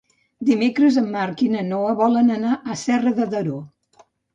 Dimecres en Marc i na Noa volen anar a Serra de Daró.